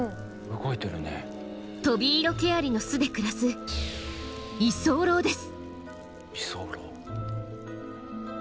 トビイロケアリの巣で暮らす居候です。